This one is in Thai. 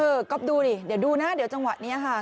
ก๊อฟดูดิเดี๋ยวดูนะเดี๋ยวจังหวะนี้ค่ะ